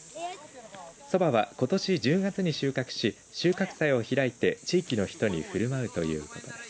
そばはことし１０月に収穫し収穫祭を開いて地域の人にふるまうということです。